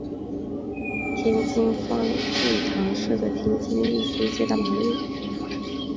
天津方济堂设在天津意租界大马路。